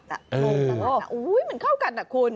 โหมันเข้ากันนะคุณ